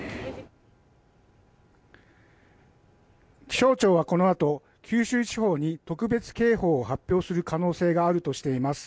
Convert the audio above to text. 気象庁はこのあと、九州地方に特別警報を発表する可能性があるとしています。